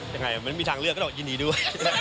ยังไงถ้ามีทางเลือกก็ต้องยินดีด้วย